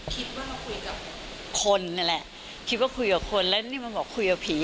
คิดว่าคุยกับคนนั่นแหละคิดว่าคุยกับคนแล้วนี่มันบอกคุยกับผี